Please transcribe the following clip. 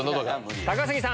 高杉さん。